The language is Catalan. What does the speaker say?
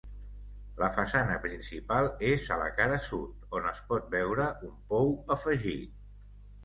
La façana principal és a la cara sud, on es pot veure un pou afegit.